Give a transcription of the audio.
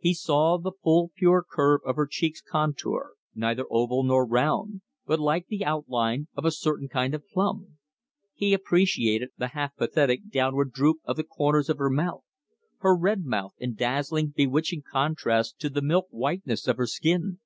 He saw the full pure curve of her cheek's contour, neither oval nor round, but like the outline of a certain kind of plum. He appreciated the half pathetic downward droop of the corners of her mouth, her red mouth in dazzling, bewitching contrast to the milk whiteness of her skin.